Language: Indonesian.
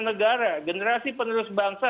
negara generasi penerus bangsa